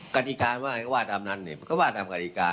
กรรติการก็ว่าจำนั่นเดี๋ยวก็ว่าจำกรรติการ